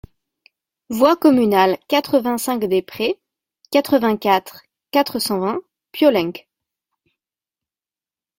Voie Communale quatre-vingt-cinq des Prés, quatre-vingt-quatre, quatre cent vingt Piolenc